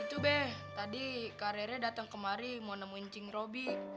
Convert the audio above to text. itu be tadi kak rere datang kemari mau nemuin cing robi